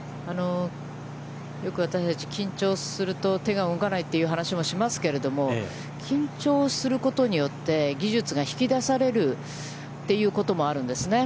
よく私たち、緊張すると手が動かないという話もしますけれども、緊張することによって、技術が引き出されるということもあるんですね。